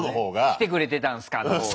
来てくれてたんすかのほうが。